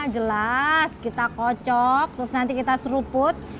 jelas kita kocok terus nanti kita seruput